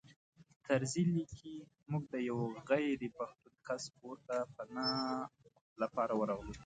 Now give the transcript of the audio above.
طرزي لیکي موږ د یوه غیر پښتون کس کور ته پناه لپاره ورغلو.